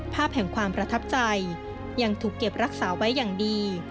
ภาพแห่งความประทับใจยังถูกเก็บรักษาไว้อย่างดี